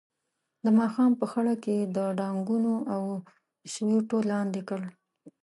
د ماښام په خړه کې یې د ډانګونو او سوټیو لاندې کړ.